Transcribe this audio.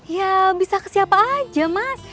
ya bisa ke siapa aja mas